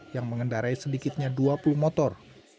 yang mengendarai sedikitnya dua puluh motor